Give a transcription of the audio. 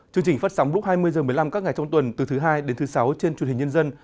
chương trình phát sóng lúc hai mươi h một mươi năm các ngày trong tuần từ thứ hai đến thứ sáu trên truyền hình nhân dân